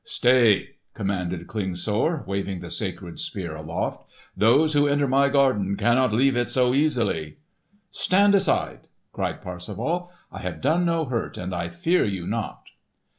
"Stay!" commanded Klingsor waving the sacred Spear aloft. "Those who enter my garden cannot leave it so easily!" "Stand aside!" cried Parsifal. "I have done no hurt, and I fear you not!"